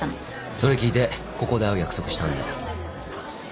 それ聞いてここで会う約束したんだよ。